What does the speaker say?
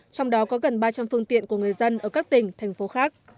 trong đó có gần ba trăm linh phương tiện của người dân ở các tỉnh thành phố khác